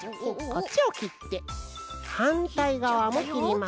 こっちをきってはんたいがわもきります。